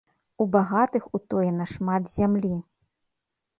У багатых утоена шмат зямлі.